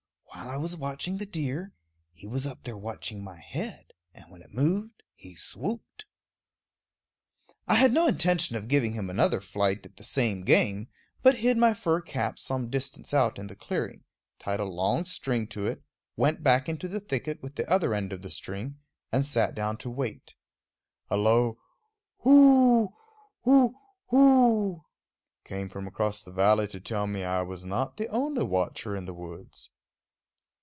"While I was watching the deer, he was up there watching my head, and when it moved he swooped." I had no intention of giving him another flight at the same game, but hid my fur cap some distance out in the clearing, tied a long string to it, went back into the thicket with the other end of the string, and sat down to wait. A low Whooo hoo hoo! came from across the valley to tell me I was not the only watcher in the woods.